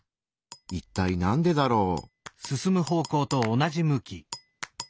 いったいなんでだろう？